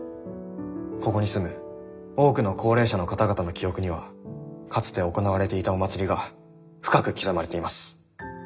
「ここに住む多くの高齢者の方々の記憶にはかつて行われていたお祭りが深く刻まれています。